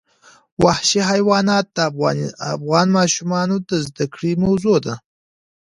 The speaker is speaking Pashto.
وحشي حیوانات د افغان ماشومانو د زده کړې موضوع ده.